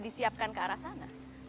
disiapkan ke arah sana